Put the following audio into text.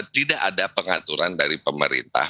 tidak ada pengaturan dari pemerintah